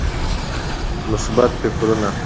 مثبت فکرونه